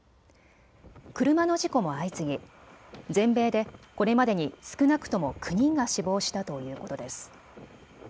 車の事故も相次ぎ全米でこれまでに少なくとも９人が死亡したということです。